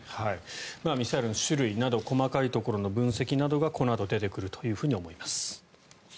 ミサイルの種類など細かいところの分析などがこのあと出てくると思います。